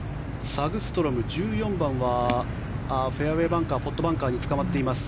サグストロム１４番はフェアウェーバンカーポットバンカーにつかまっています。